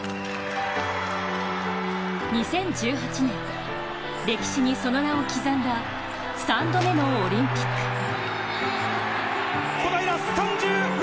２０１８年、歴史にその名を刻んだ３度目のオリンピック。